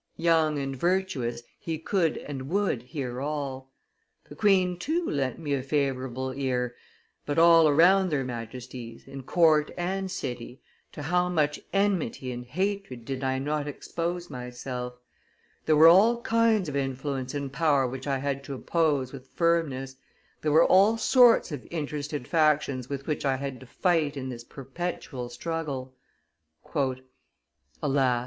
Young and virtuous, he could and would hear all. The queen, too, lent me a favorable ear, but, all around their Majesties, in court and city, to how much enmity and hatred did I not expose myself? There were all kinds of influence and power which I had to oppose with firmness; there were all sorts of interested factions with which I had to fight in this perpetual struggle." "Alas!"